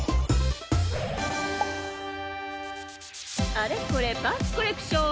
あれこれパンツコレクション！